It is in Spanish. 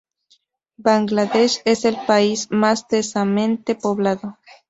Bangladesh es el país más densamente poblado.